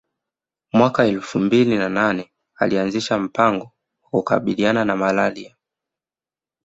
Mwaka elfu mbili na nane alianzisha mpango wa kukabiliana na Malaria